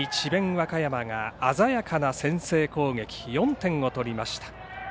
和歌山が鮮やかな先制攻撃４点を取りました。